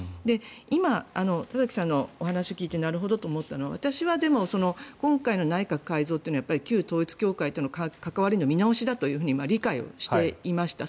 今、田崎さんのお話を聞いてなるほどと思ったのは私はでも、今回の内閣改造はやっぱり旧統一教会との関わりの見直しだというふうに理解をしていました。